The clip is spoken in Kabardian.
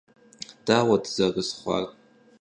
Дауэт зэрызхъуар?